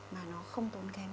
mà nó không tốn kém